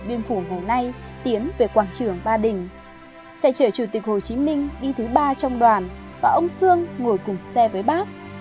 chủ tịch hồ chí minh đi thứ ba trong đoàn và ông sương ngồi cùng xe với bác